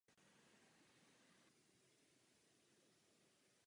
Borka je světlá a hladká.